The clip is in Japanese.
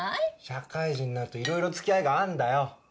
社会人になるといろいろ付き合いがあんだよ。